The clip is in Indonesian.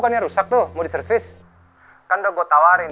kacau nih remnya plung